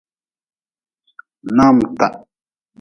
Naamta.